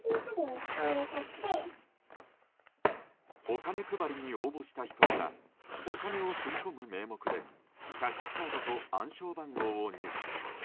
お金配りに応募した人からお金を振り込む名目でキャッシュカードと暗証番号を入手。